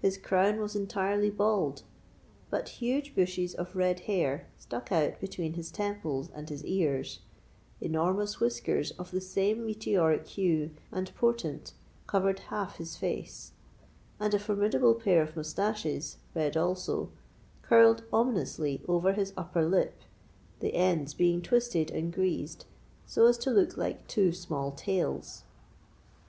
His crown was entirely bald; but huge bushes of red hair stuck out between his temples and his ears—enormous whiskers of the same meteoric hue and portent covered half his face—and a formidable pair of moustaches, red also, curled ominously over his upper lip, the ends being twisted and greased so as to look like two small tails.